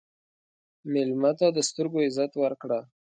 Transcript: مېلمه ته د سترګو عزت ورکړه.